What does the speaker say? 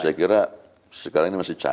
saya kira sekarang ini masih cair